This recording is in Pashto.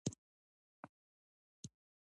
ډيپلومات د ستراتیژیکو اړیکو پل جوړوي.